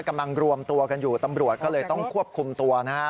กำลังรวมตัวกันอยู่ตำรวจก็เลยต้องควบคุมตัวนะฮะ